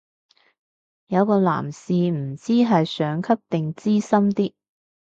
有個男士唔知係上級定資深啲